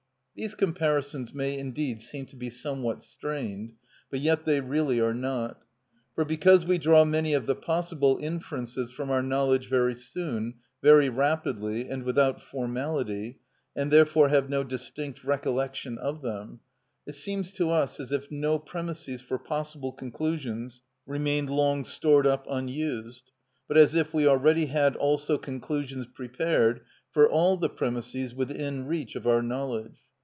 These comparisons may indeed seem to be somewhat strained, but yet they really are not. For because we draw many of the possible inferences from our knowledge very soon, very rapidly, and without formality, and therefore have no distinct recollection of them, it seems to us as if no premisses for possible conclusions remained long stored up unused, but as if we already had also conclusions prepared for all the premisses within reach of our knowledge.